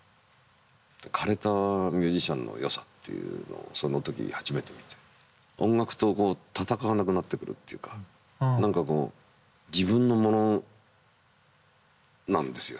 枯れたミュージシャンのよさっていうのをその時初めて見て音楽と戦わなくなってくるっていうか何かこう自分のものなんですよ